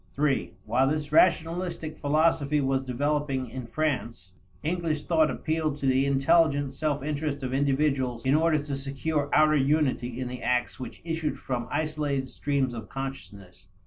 (iii) While this rationalistic philosophy was developing in France, English thought appealed to the intelligent self interest of individuals in order to secure outer unity in the acts which issued from isolated streams of consciousness.